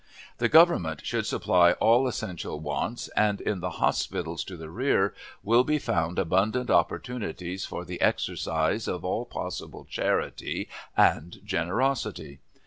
The Government should supply all essential wants, and in the hospitals to the rear will be found abundant opportunities for the exercise of all possible charity and generosity.